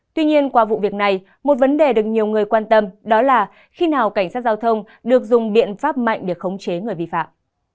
tuy nhiên qua vụ việc này một vấn đề được nhiều người quan tâm đó là khi nào cảnh sát giao thông được dùng biện pháp mạnh để khống chế người vi phạm